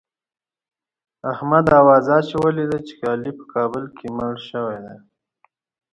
احمد انګروزه اچولې ده چې علي په کابل کې مړ شوی دی.